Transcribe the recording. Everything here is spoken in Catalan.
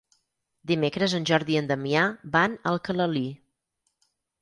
Dimecres en Jordi i en Damià van a Alcalalí.